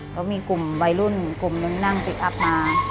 ก็มีกลุ่มวัยรุ่นกลุ่มนึงนั่งพลิกอัพมา